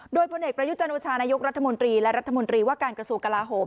โดยพลเอกประยุจันโอชานายกรัฐมนตรีและรัฐมนตรีว่าการกระทรวงกลาโหม